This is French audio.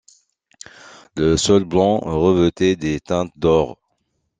Le sol blanc revêtait des teintes d’or.